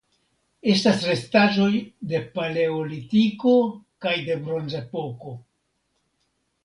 Estas restaĵoj de Paleolitiko kaj de Bronzepoko.